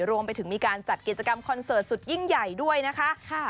รวมไปถึงมีการจัดกิจกรรมคอนเสิร์ตสุดยิ่งใหญ่ด้วยนะคะ